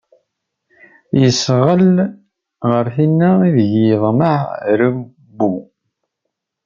Yesɣel ɣer tinna ideg yeḍmeɛ ṛewwu.